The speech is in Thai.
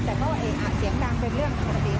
แต่ก็เสียงดังเป็นเรื่องปกติ